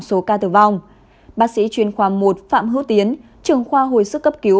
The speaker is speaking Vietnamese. số ca tử vong bác sĩ chuyên khoa một phạm hữu tiến trưởng khoa hồi sức cấp cứu